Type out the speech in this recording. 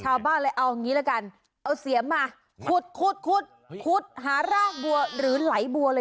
ชาวบ้านเอางี้ละกันเอาเสียงมา